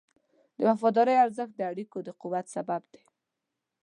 د وفادارۍ ارزښت د اړیکو د قوت سبب دی.